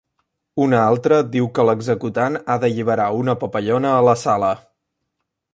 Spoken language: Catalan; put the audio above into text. Una altra diu que l'executant ha d'alliberar una papallona a la sala.